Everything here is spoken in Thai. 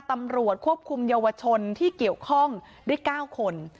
ตำรวจควบคุมเยาวชนที่เกี่ยวข้องได้๙คน